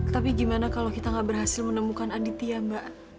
tapi gimana kalau kita nggak berhasil menemukan aditya mbak